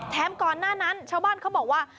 ก่อนหน้านั้นชาวบ้านเขาบอกว่า